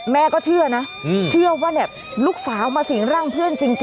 แม่ก็เชื่อนะเชื่อว่าเนี่ยลูกสาวมาสิ่งร่างเพื่อนจริง